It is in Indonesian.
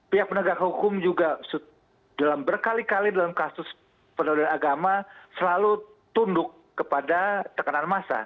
pihak penegak hukum juga dalam berkali kali dalam kasus penodaan agama selalu tunduk kepada tekanan massa